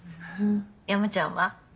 山ちゃんは？